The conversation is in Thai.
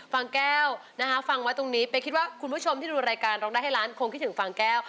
ฟังแก้วนะคะฟังไว้ตรงนี้เป๊คิดว่าคุณผู้ชมที่ดูรายการร้องได้ให้ล้านคงคิดถึงฟางแก้ว